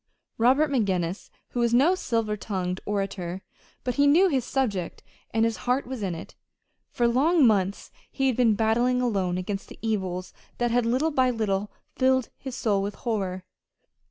Robert McGinnis was no silver tongued orator, but he knew his subject, and his heart was in it. For long months he had been battling alone against the evils that had little by little filled his soul with horror.